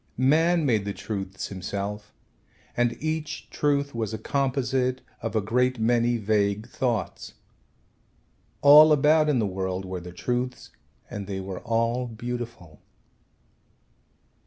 Man made the truths himself and each truth was a composite of a great many vague thoughts. All about in the world were the truths and they were all beautiful.